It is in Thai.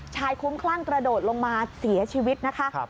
ชายคุ้มคลั่งกระโดดลงมาเสียชีวิตนะคะ